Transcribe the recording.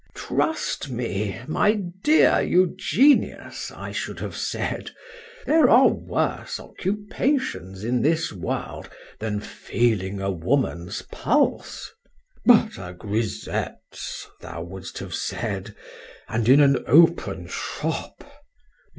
—Trust me, my dear Eugenius, I should have said, "There are worse occupations in this world than feeling a woman's pulse."—But a grisette's! thou wouldst have said,—and in an open shop!